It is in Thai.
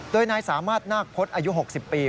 โดยนายสามารถนาคพจน์อายุ๖๐ปี